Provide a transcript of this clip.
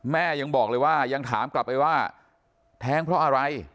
ยังบอกเลยว่ายังถามกลับไปว่าแท้งเพราะอะไร